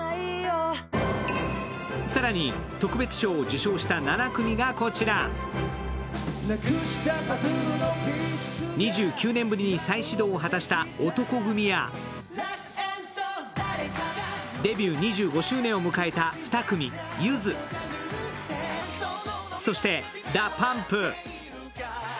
更に特別賞を受賞した７組がこちら２９年ぶりに再始動を果たした男闘呼組やデビュー２５周年を迎えた２組、ゆず、そしてＤＡＰＵＭＰ。